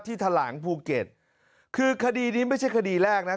ทะหลังภูเก็ตคือคดีนี้ไม่ใช่คดีแรกนะ